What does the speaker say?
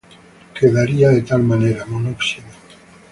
Quedaría de tal manera: Monóxido.